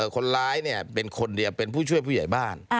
คนร้ายเป็นคนเดียวเป็นผู้ช่วยผู้ใหญ่บ้าน